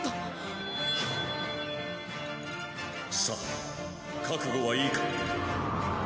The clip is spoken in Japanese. さぁ覚悟はいいか。